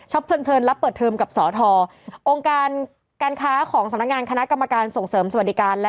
ฮะอะไรนะ